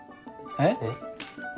えっ。